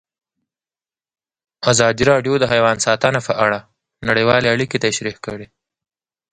ازادي راډیو د حیوان ساتنه په اړه نړیوالې اړیکې تشریح کړي.